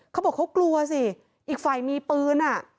เขาบอกเขากลัวสิอีกฝ่ายมีปืนอ่ะ